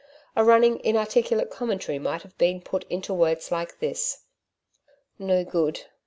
A running inarticulate commentary might have been put into words like this: 'No good